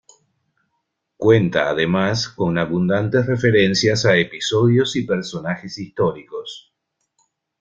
Cuenta, además, con abundantes referencias a episodios y personajes históricos.